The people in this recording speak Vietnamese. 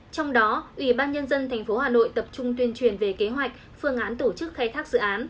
trong đó ủy ban nhân dân tp hà nội tập trung tuyên truyền về kế hoạch phương án tổ chức khai thác dự án